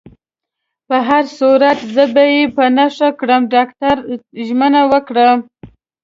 په هر صورت، زه به يې په نښه کړم. ډاکټر ژمنه وکړه.